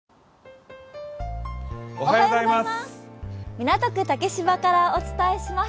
港区竹芝からお伝えします。